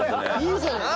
いいじゃない。